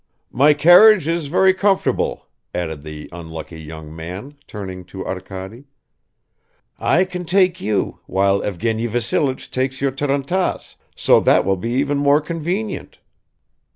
"My carriage is very comfortable," added the unlucky young man, turning to Arkady; "I can take you, while Evgeny Vassilich takes your tarantass, so that will be even more convenient."